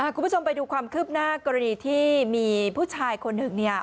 คุณผู้ชมไปดูความคืบหน้ากรณีที่มีผู้ชายคนหนึ่งเนี่ย